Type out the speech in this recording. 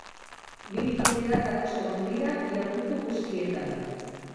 Bi bikoteak ados egon dira ia puntu guztietan.